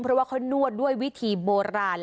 เพราะว่าเขานวดด้วยวิธีโบราณ